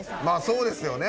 そうですよね。